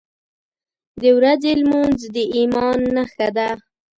• د ورځې لمونځ د ایمان نښه ده.